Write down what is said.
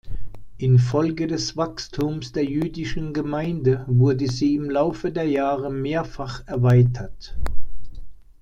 Infolge des Wachstums der jüdischen Gemeinde wurde sie im Laufe der Jahre mehrfach erweitert.